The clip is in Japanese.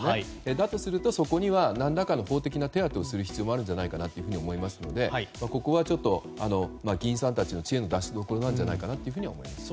だとするとそこには何らかの法的な手当をする必要があるかと思いますのでここは議員さんたちの知恵の出しどころなんじゃないかなと思います。